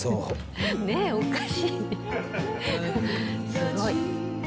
すごい。